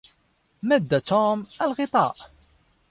مد توم الغطاء.